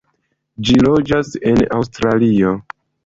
Ĝi loĝas en Aŭstralio.